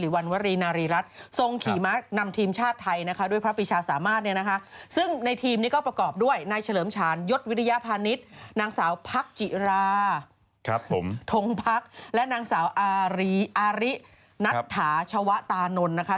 วิทยาพาณิชย์นางสาวพรรคจิราทรงพรรคและนางสาวอารินัตถาชาวะตานนท์นะคะ